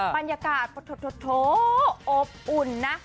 ปัญญากาศโทโอบอุ่นนะ